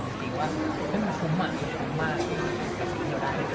จริงว่าคุณคุ้มคุ้มมากคุ้มกับสิ่งที่เราได้ในเรื่องนี้